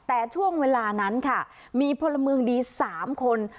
แต่ช่วงเวลานั้นค่ะมีพลเมืองดี๓คน